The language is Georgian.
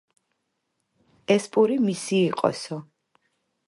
ეს პური მისი იყოსო.